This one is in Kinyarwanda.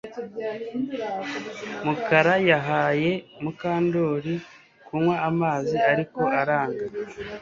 Mukara yahaye Mukandoli kunywa amazi ariko aranga